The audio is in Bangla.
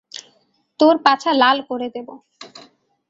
তোর পাছা লাল করে দেবো!